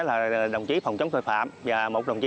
và đồng chí cảnh sát khu vực